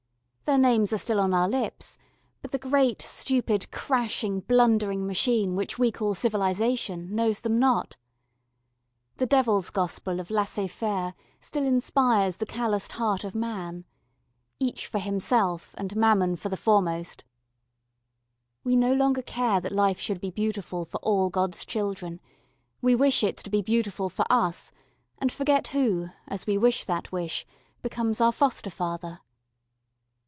Their names are still on our lips, but the great, stupid, crashing, blundering machine which we call civilisation knows them not. The Devil's gospel of laissez faire still inspires the calloused heart of man. Each for himself, and Mammon for the foremost. We no longer care that life should be beautiful for all God's children we wish it to be beautiful for us and forget who, as we wish that wish, becomes our foster father.